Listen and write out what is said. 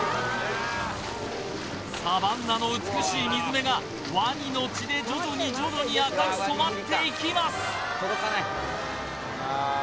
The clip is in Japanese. サバンナの美しい水辺がワニの血で徐々に徐々に赤く染まっていきます